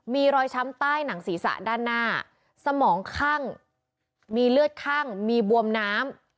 มีรอยช้ำใต้หนังศีรษะด้านหน้าสมองคั่งมีเลือดข้างมีบวมน้ำ